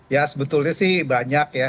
ya sebetulnya sih banyak ya